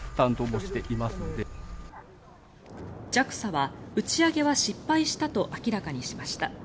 ＪＡＸＡは打ち上げは失敗したと明らかにしました。